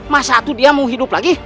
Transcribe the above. masa itu dia mau hidup lagi